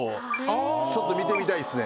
ちょっと見てみたいっすね。